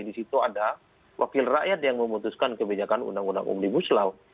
di situ ada wakil rakyat yang memutuskan kebijakan undang undang omnibus law